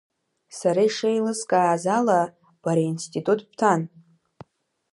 Сара ишеилыскааз ала, бара аинститут бҭан?